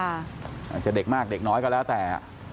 อาจจะเด็กมากเด็กน้อยก็แล้วแต่